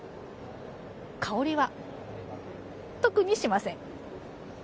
香りは特にしません。